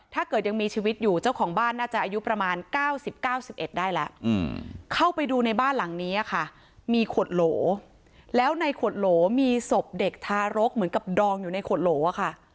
ถ้าเกิดยังมีชีวิตอยู่เจ้าของบ้านน่าจะอายุประมาณ๙๐๙๑ได้แล้วเข้าไปดูในบ้านหลังนี้ค่ะมีขวดโหลแล้วในขวดโหลมีศพเด็กทารกเหมือนกับดองอยู่ในขวดโหลอะค่ะ